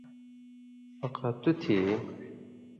”اقا! تُو تھی یی؟“